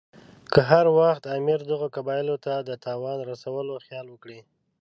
که هر وخت امیر دغو قبایلو ته د تاوان رسولو خیال وکړي.